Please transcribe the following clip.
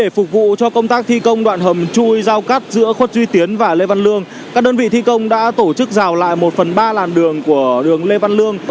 để phục vụ cho công tác thi công đoạn hầm chui giao cắt giữa khuất duy tiến và lê văn lương các đơn vị thi công đã tổ chức rào lại một phần ba làn đường của đường lê văn lương